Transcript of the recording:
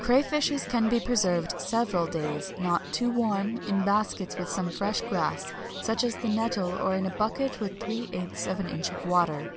[XXI 267] "Crayfishes can be preserved several days, not too warm, in baskets with some fresh grass, such as the nettle, or in a bucket with three eighths of an inch of water.